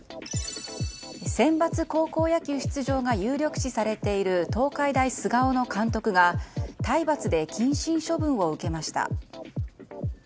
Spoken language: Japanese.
センバツ高校野球出場が有力視されている東海大菅生の監督が体罰で謹慎処分を受けました。